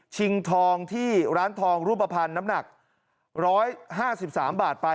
ทองที่ร้านทองรูปภัณฑ์น้ำหนัก๑๕๓บาทไป